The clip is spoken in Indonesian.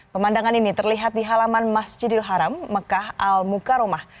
pemandangan ini terlihat di halaman masjidil haram mekah al mukaromah